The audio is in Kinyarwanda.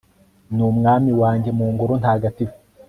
n'umwami wanjye, mu ngoro ntagatifu